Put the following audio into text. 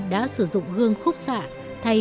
đã sử dụng gương khúc xạ thay